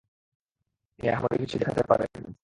তিনি আহামরি কিছু দেখাতে পারেননি।